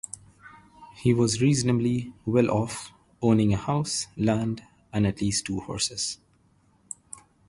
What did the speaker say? He was reasonably well off, owning a house, land, and at least two horses.